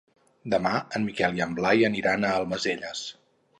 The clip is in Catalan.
Demà en Miquel i en Blai aniran a Almacelles.